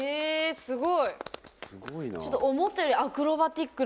すごい。